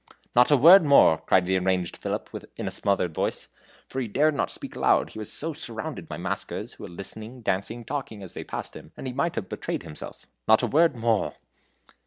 "Not a word more," cried the enraged Philip, in a smothered voice; for he dared not speak aloud, he was so surrounded by maskers, who were listening, dancing, talking, as they passed him, and he might have betrayed himself; "not a word more!"